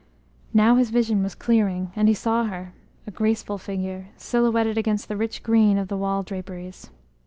Now his vision was clearing, and he saw her, a graceful figure, silhouetted against the rich green of the wall draperies.